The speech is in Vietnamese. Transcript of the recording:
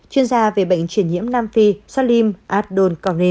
chuyên gia về bệnh truyền nhiễm nam phi salim adol